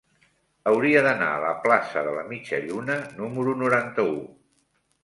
Hauria d'anar a la plaça de la Mitja Lluna número noranta-u.